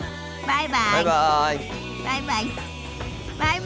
バイバイ。